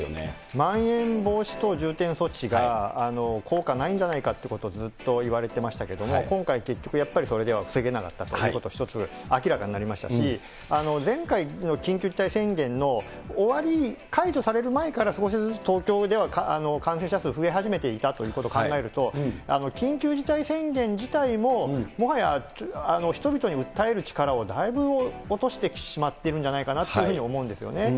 まん延防止等重点措置が、効果ないんじゃないかということを、ずっと言われてましたけれども、今回、結局やっぱりそれでは防げなかったということが一つ明らかになりましたし、前回の緊急事態宣言の終わり、解除される前から少しずつ東京では感染者数増え始めていたということを考えると、緊急事態宣言自体も、もはや人々に訴える力をだいぶ落としてしまってるんじゃないかなというふうに思うんですよね。